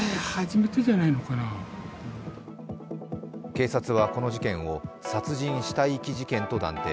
警察はこの事件を殺人・死体遺棄事件と断定。